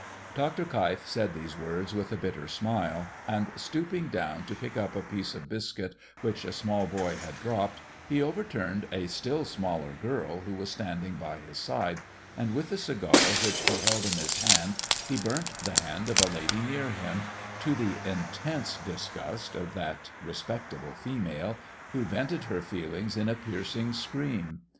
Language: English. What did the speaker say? Dr. Keif said these words with a bitter smile, and stooping down to pick up a piece of biscuit which a small boy had dropped, he overturned a still smaller girl who was standing by his side, and with the cigar which he held in his hand he burnt the hand of a lady near him, to the intense disgust of that respectable female, who vented her feelings in a piercing, scream.